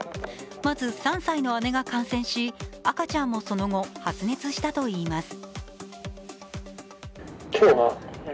まず３歳の姉が感染し赤ちゃんもその後、発熱したといいます。